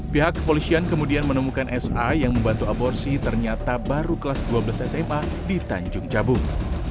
pihak kepolisian kemudian menemukan sa yang membantu aborsi ternyata baru kelas dua belas sma di tanjung jabung